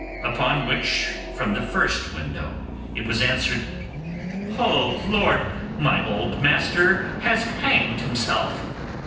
upon which, from the first window, it was answered, 'Oh Lord, my old master has hanged himself!